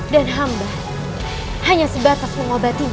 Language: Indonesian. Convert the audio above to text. dan hamba hanya sebatas mengobatinya